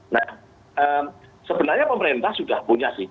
nah sebenarnya pemerintah sudah punya sih